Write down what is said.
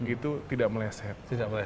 itu tidak meleset